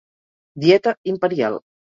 Dieta imperial.